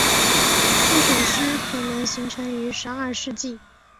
这首诗可能形成于十二世纪。